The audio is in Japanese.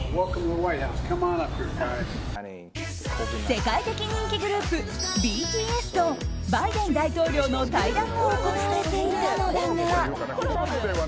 世界的人気グループＢＴＳとバイデン大統領の対談が行われていたのだが。